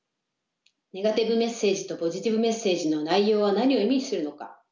ネガティブメッセージとポジティブメッセージの内容は何を意味するのか？